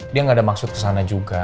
dia gak ada maksud kesana juga